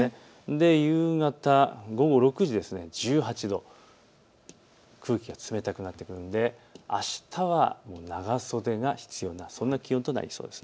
夕方午後６時、１８度空気が冷たくなってくるのであしたは長袖が必要なそんな気温となりそうです。